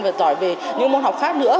mà giỏi về những môn học khác nữa